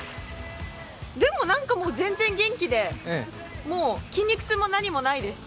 でも何かもう、全然元気で筋肉痛も何もないです。